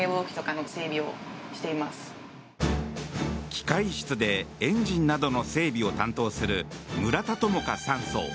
機械室でエンジンなどの整備を担当する村田朋香３曹。